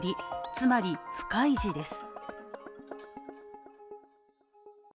つまり不開示です。